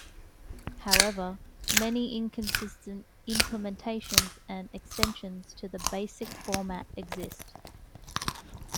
However, many inconsistent implementations and extensions to the basic format exist.